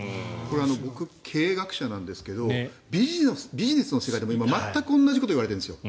僕、経営学者なんですけどビジネスの世界でも全く同じことがいわれてるんです。